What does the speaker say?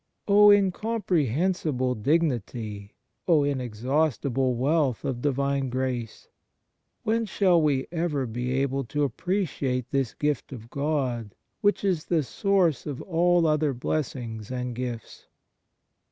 Oh incomprehensible dignity, oh in exhaustible wealth of Divine grace ! When shall we ever be able to appreciate this gift of God, which is the source of all other blessings and gifts